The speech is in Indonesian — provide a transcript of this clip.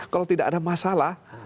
kalau tidak ada masalah